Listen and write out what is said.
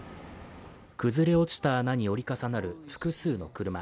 崩れ落ちた穴に折り重なる複数の車。